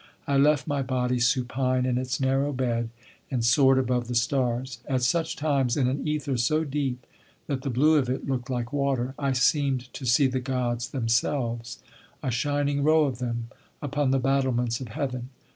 I left my body supine in its narrow bed and soared above the stars. At such times, in an æther so deep that the blue of it looked like water, I seemed to see the Gods themselves, a shining row of them, upon the battlements of Heaven.